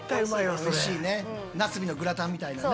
おいしいねナスビのグラタンみたいなね。